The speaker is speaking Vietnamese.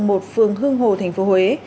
hương hồ tp huế